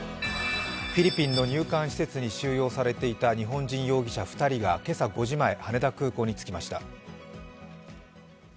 フィリピンの入管施設に収容されていた日本人容疑者２人が今朝５時前羽田空港に着きました。